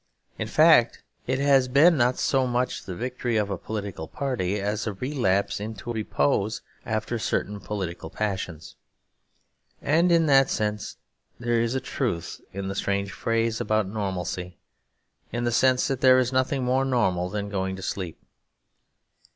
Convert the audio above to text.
In fact, it has been not so much the victory of a political party as a relapse into repose after certain political passions; and in that sense there is a truth in the strange phrase about normalcy; in the sense that there is nothing more normal than going to sleep.